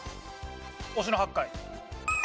忍野八海。